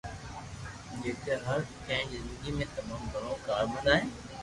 جيڪو هر ڪنهن جي زندگي ۾ تمام گهڻو ڪارآمد آهي